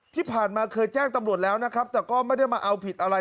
ที่ผ่านมาเคยแจ้งตำรวจแล้วนะครับแต่ก็ไม่ได้มาเอาผิดอะไร